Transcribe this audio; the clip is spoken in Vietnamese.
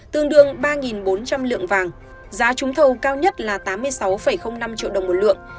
tương đương ba bốn trăm linh lượng vàng giá trúng thầu cao nhất là tám mươi sáu năm triệu đồng một lượng